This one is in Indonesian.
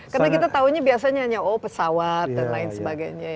karena kita taunya biasanya hanya pesawat dan lain sebagainya